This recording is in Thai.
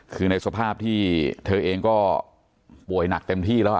คือในสภาพที่เธอเองก็ป่วยหนักเต็มที่แล้ว